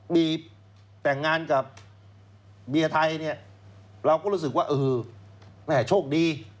มีแต่งงานกับเบียร์ไทยเนี่ยเราก็รู้สึกว่าเออแม่โชคดี